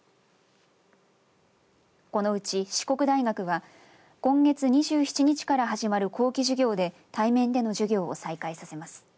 このうち四国大学は今月２７日から始まる後期授業で対面での授業を再開させます。